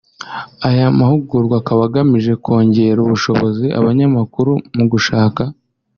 Aya mahugurwa akaba agamije kwongerera ubushobozi abanyamakuru mu gushaka